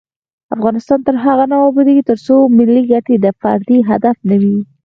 افغانستان تر هغو نه ابادیږي، ترڅو ملي ګټې د فردي هدف نه وي.